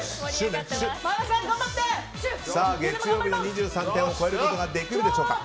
月曜日２３点を超えることができるでしょうか。